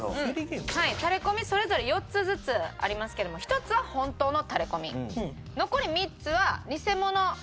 タレコミそれぞれ４つずつありますけども１つは本当のタレコミ残り３つはニセモノ。